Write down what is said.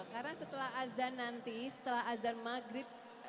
karena setelah azan nanti setelah azan maghrib